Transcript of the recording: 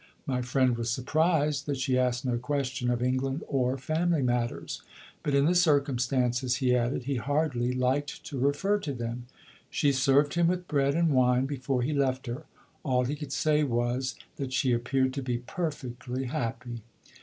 My friend was surprised that she asked no question of England or family matters; but, in the circumstances, he added, he hardly liked to refer to them. She served him with bread and wine before he left her. All he could say was that she appeared to be perfectly happy.